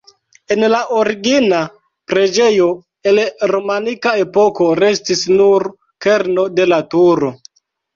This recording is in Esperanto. El la origina preĝejo el romanika epoko restis nur kerno de la turo.